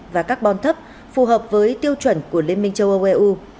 và các bon thấp phù hợp với tiêu chuẩn của liên minh châu âu eu